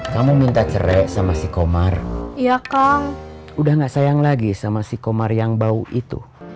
kamu minta cerai sama si komar iya kang udah gak sayang lagi sama si komar yang bau itu